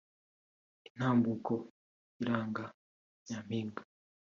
intambuko iranga Nyampinga